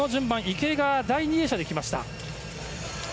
池江が第２泳者で来ました。